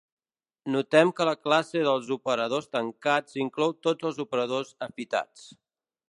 Notem que la classe dels operadors tancats inclou tots els operadors afitats.